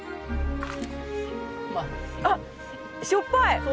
あっしょっぱい！